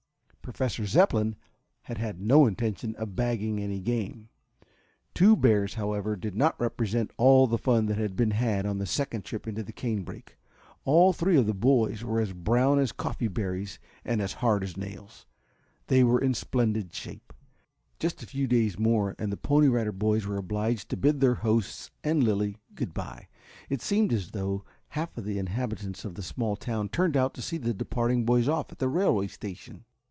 Professor Zepplin had had no intention of bagging any game. Two bears, however, did not represent all the fun that had been had on this second trip into the canebrake. All three of the boys were as brown as coffee berries and as "hard as nails." They were in splendid shape. Just a few days more and the Pony Rider Boys were obliged to bid their hosts and Lilly good bye. It seemed as though half the inhabitants of the small town turned out to see the departing boys off at the railway station.